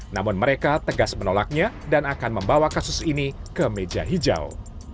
namun mereka tegas menolaknya dan akan membawa kasus ini ke meja hijau